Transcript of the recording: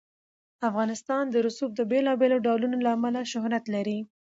افغانستان د رسوب د بېلابېلو ډولونو له امله شهرت لري.